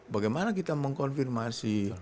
bagaimana kita mengkonfirmasi